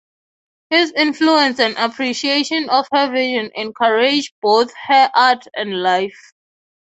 His influence and appreciation of her vision encouraged both her art and life.